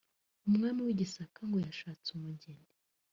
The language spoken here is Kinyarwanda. umwami w’i Gisaka ngo yashatse umugeni